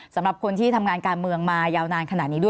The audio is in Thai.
สำหรับคนที่ทำงานการเมืองมายาวนานขนาดนี้ด้วย